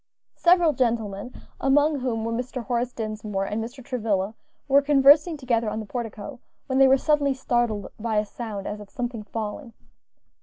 Several gentlemen, among whom were Mr. Horace Dinsmore and Mr. Travilla, were conversing together on the portico, when they were suddenly startled by a sound as of something falling.